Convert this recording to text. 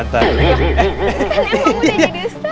ustazah mau jadi ustazah